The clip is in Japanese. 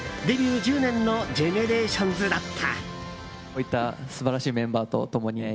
１０年のＧＥＮＥＲＡＴＩＯＮＳだった。